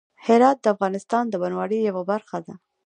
هرات د افغانستان د بڼوالۍ یوه برخه ده.